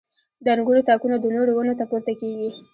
• د انګورو تاکونه د نورو ونو ته پورته کېږي.